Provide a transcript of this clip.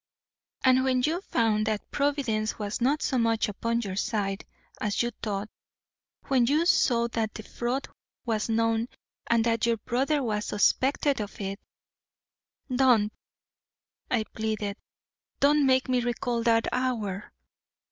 "And when you found that Providence was not so much upon your side as you thought, when you saw that the fraud was known and that your brother was suspected of it " "Don't!" I pleaded, "don't make me recall that hour!"